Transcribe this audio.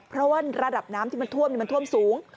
เพราะว่าระดับน้ำที่มันท่วมมันท่วมสูง